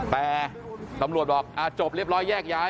แต่ตำรวจบอกจบเรียบร้อยแยกย้าย